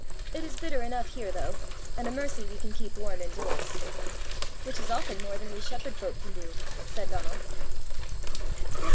It is bitter enough here though, and a mercy we can keep warm in doors." "Which is often more than we shepherd folk can do," said Donal. Mr.